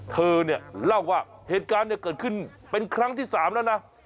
เธอเนี่ยเล่าว่าเหตุการณ์เกิดขึ้นเป็นครั้งที่๓แล้วนะ